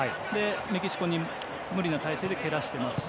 メキシコに無理な体勢で蹴らせてますし